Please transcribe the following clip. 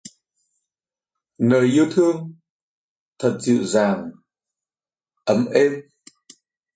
Lời yêu thương...thật dịu dàng ấm êm.